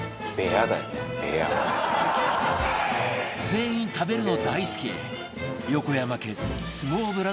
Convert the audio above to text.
全員食べるの大好き！